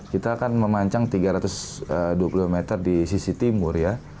kita akan memancang tiga ratus dua puluh meter di sisi timur ya